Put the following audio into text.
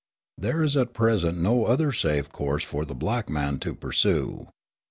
There is at present no other safe course for the black man to pursue.